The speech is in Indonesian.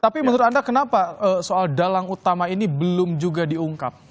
tapi menurut anda kenapa soal dalang utama ini belum juga diungkap